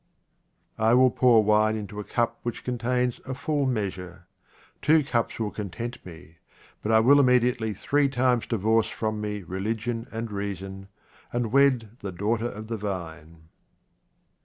I WILL pour wine into a cup which contains a full measure. Two cups will content me, but I will immediately three times divorce from me religion and reason, and wed the daughter of the vine.